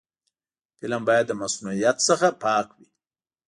فلم باید له مصنوعیت څخه پاک وي